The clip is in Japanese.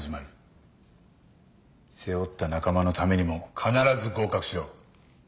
背負った仲間のためにも必ず合格しろ。